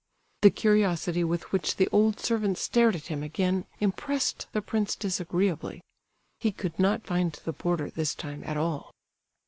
The curiosity with which the old servant stared at him again impressed the prince disagreeably. He could not find the porter this time at all.